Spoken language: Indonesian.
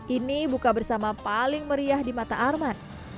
ini buka bersama paling meriah di mata arman